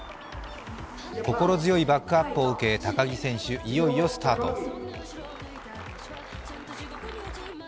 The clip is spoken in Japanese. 心強いバックアップを受け、高木選手、いよいよスタート。